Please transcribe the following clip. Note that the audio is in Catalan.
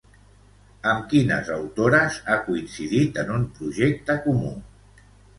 Amb quines autores ha coincidit en un projecte comú?